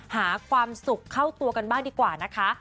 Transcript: หาความสุขเข้าตัวกันบ้างดีกว่านะคะ